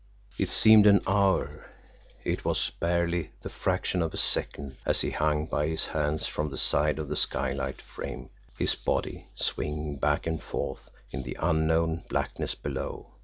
It seemed an hour it was barely the fraction of a second, as he hung by his hands from the side of the skylight frame, his body swinging back and forth in the unknown blackness below.